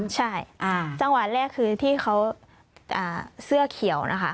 ใช่จังหวะแรกคือที่เขาเสื้อเขียวนะคะ